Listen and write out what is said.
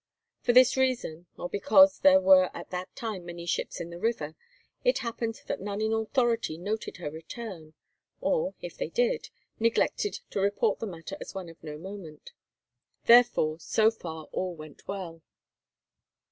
For this reason, or because there were at that time many ships in the river, it happened that none in authority noted her return, or if they did, neglected to report the matter as one of no moment. Therefore, so far all went well.